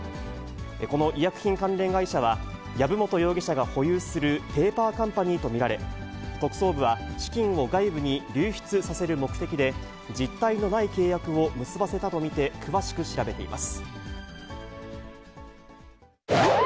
この医薬品関連会社は、籔本容疑者が保有するペーパーカンパニーと見られ、特捜部は資金を外部に流出させる目的で、実体のない契約を結ばせたと見て詳しく調べています。